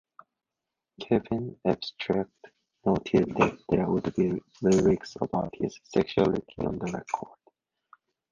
Kevin Abstract noted that there would be lyrics about his sexuality on the record.